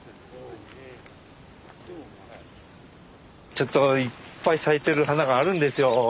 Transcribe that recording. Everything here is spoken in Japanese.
ちょっといっぱい咲いてる花があるんですよ。